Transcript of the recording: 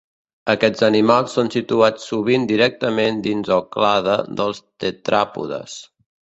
Aquests animals són situats sovint directament dins el clade dels tetràpodes.